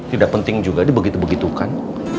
tidak penting juga dibegitu begitu begitukan